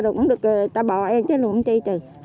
cũng được bò ăn chứ luôn chứ